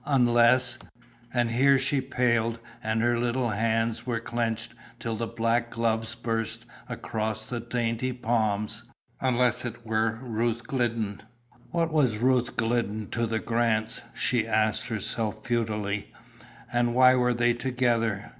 Unless and here she paled, and her little hands were clenched till the black gloves burst across the dainty palms unless it were Ruth Glidden. What was Ruth Glidden to the Grants? she asked herself futilely, and why were they together?